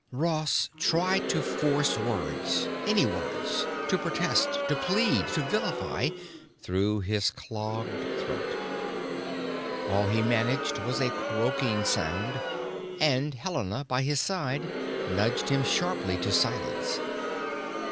Ross tried to force words—any words, to protest, to plead, to vilify—through his clogged throat. All he managed was a croaking sound; and Helena, by his side, nudged him sharply to silence.